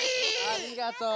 ありがとう。